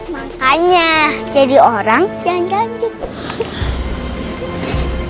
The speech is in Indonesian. makanya jadi orang yang ganjut